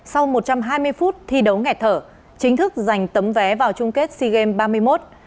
sau một trăm hai mươi phút thi đấu nghẹt thở chính thức giành tấm vé vào chung kết sea games ba mươi một